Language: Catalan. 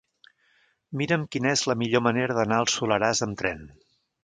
Mira'm quina és la millor manera d'anar al Soleràs amb tren.